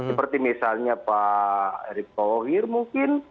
seperti misalnya pak erick thohir mungkin